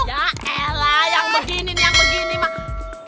ya elah yang begini yang begini mah